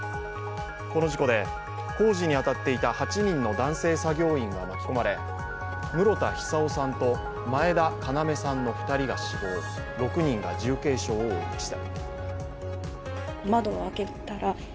この事故で、工事に当たっていた８人の男性作業員が巻き込まれ室田久生さんと前田要さんの２人が死亡６人が重軽傷を負いました。